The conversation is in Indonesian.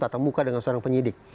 tatap muka dengan seorang penyidik